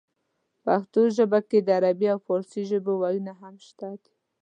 پښتو ژبې کې د عربۍ او پارسۍ ژبې وييونه هم شته دي